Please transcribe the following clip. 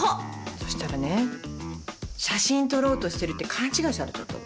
そしたらね写真撮ろうとしてるって勘違いされちゃったの。